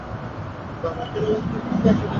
দাঁড়া, কী?